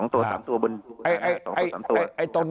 ตัว๓ตัวบน